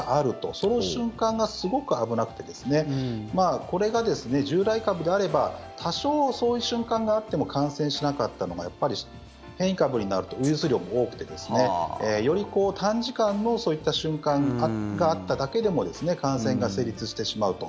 その瞬間がすごく危なくてこれが従来株であれば多少、そういう瞬間があっても感染しなかったのがやっぱり変異株になるとウイルス量も多くてより短時間のそういった瞬間があっただけでも感染が成立してしまうと。